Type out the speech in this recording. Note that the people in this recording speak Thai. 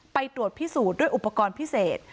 ไปตรวจพิสูจน์ด้วยอุปกรณ์พิเศษ